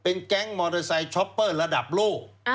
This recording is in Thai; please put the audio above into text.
แก๊งมอเตอร์ไซค์ช็อปเปอร์ระดับโลก